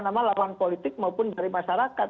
nama lawan politik maupun dari masyarakat